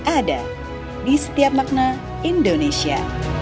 ada di setiap makna indonesia